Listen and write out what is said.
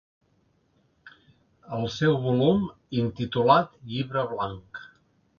El seu volum, intitulat Llibre Blanc.